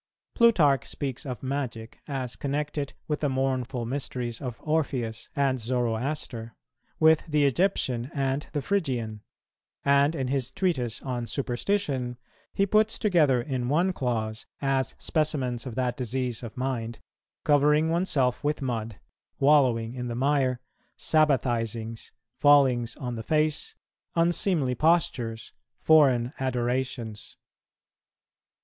Plutarch speaks of magic as connected with the mournful mysteries of Orpheus and Zoroaster, with the Egyptian and the Phrygian; and, in his Treatise on Superstition, he puts together in one clause, as specimens of that disease of mind, "covering oneself with mud, wallowing in the mire, sabbathizings, fallings on the face, unseemly postures, foreign adorations."